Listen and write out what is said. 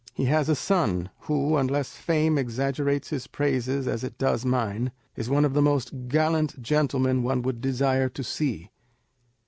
He has a son, who, unless fame exaggerates his praises as it does mine, is one of the most gallant gentlemen one would desire to see.